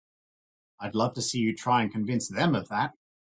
I'd love to see you try and convince them of that!